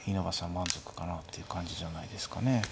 満足かなっていう感じじゃないですかね。